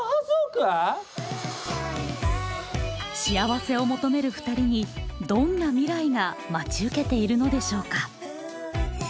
幸せを求めるふたりにどんな未来が待ち受けているのでしょうか？